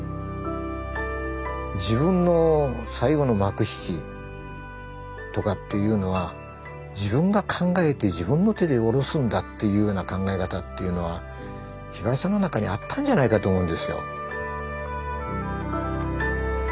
自分の最後の幕引きとかっていうのは自分が考えて自分の手で降ろすんだっていうような考え方っていうのはひばりさんの中にあったんじゃないかと思うんですよ。